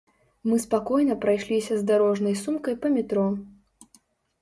Мы спакойна прайшліся з дарожнай сумкай па метро.